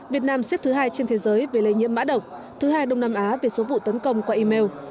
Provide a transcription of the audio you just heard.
việt nam xếp thứ hai trên thế giới về lây nhiễm mã độc thứ hai đông nam á về số vụ tấn công qua email